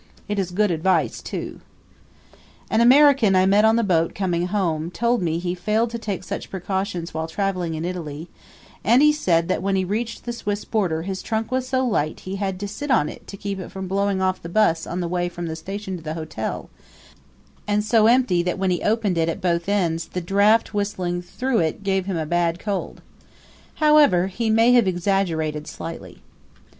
It is good advice too. An American I met on the boat coming home told me he failed to take such precautions while traveling in Italy; and he said that when he reached the Swiss border his trunk was so light he had to sit on it to keep it from blowing off the bus on the way from the station to the hotel, and so empty that when he opened it at both ends the draft whistling through it gave him a bad cold. However, he may have exaggerated slightly.